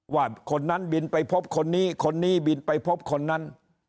ว่าคนนั้นบินไปพบคนนี้คนนี้บินไปพบคนนั้น